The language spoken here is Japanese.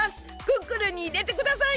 クックルンにいれてください！